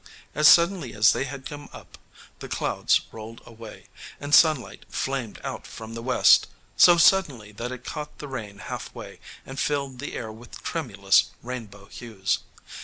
As suddenly as they had come up the clouds rolled away, and sunlight flamed out from the west so suddenly that it caught the rain halfway and filled the air with tremulous rainbow hues.